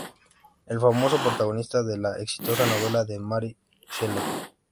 El famoso protagonista de la exitosa novela de Mary Shelley.